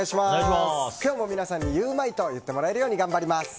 今日も皆さんにゆウマいと言ってもらえるように頑張ります！